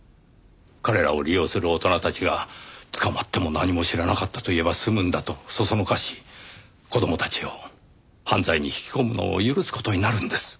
彼らを利用する大人たちが「捕まっても何も知らなかったと言えば済むんだ」と唆し子供たちを犯罪に引き込むのを許す事になるんです。